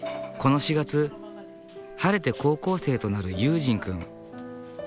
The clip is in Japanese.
この４月晴れて高校生となる悠仁くん。